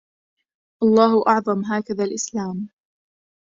الله أعظم هكذا الاسلام